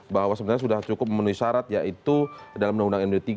bahwa sebenarnya sudah cukup memenuhi syarat yaitu dalam undang undang md tiga